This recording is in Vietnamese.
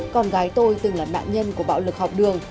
con gái tôi từng là nạn nhân của bạo lực học đường